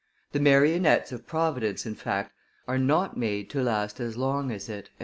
The marionettes of Providence, in fact, are not made to last so long as It."